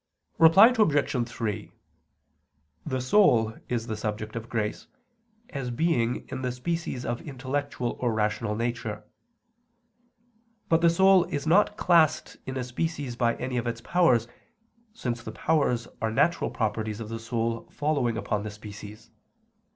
Reply Obj. 3: The soul is the subject of grace, as being in the species of intellectual or rational nature. But the soul is not classed in a species by any of its powers, since the powers are natural properties of the soul following upon the species.